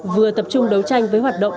vừa tập trung đấu tranh với hoạt động